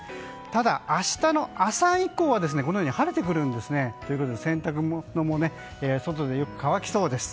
ただ明日の朝以降は晴れてくるんですね。ということで洗濯物も外でよく乾きそうです。